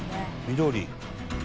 緑。